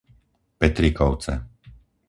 Petrikovce